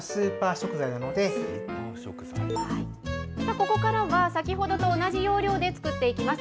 ここからは、先ほどと同じ要領で作っていきます。